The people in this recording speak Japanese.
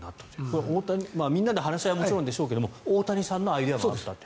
これはみんなで話し合いはもちろんでしょうけど大谷さんのアイデアだったと。